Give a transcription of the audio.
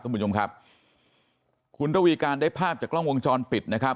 คุณผู้ชมครับคุณระวีการได้ภาพจากกล้องวงจรปิดนะครับ